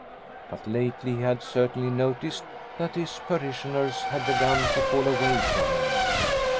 But lately he had certainly noticed that his parishioners had begun to fall away from him.